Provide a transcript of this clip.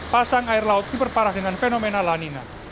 pasang air laut ini berparah dengan fenomena lanina